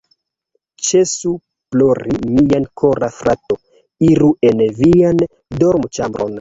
Ĉesu plori mia kora frato, iru en vian dormoĉambron